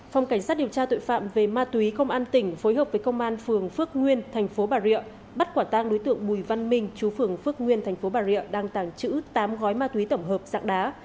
phòng cảnh sát điều tra tội phạm về ma túy công an tỉnh phối hợp với công an phường phước nguyên thành phố bà rịa bắt quả tang đối tượng bùi văn minh chú phường phước nguyên thành phố bà rịa đang tàng trữ tám gói ma túy tổng hợp dạng đá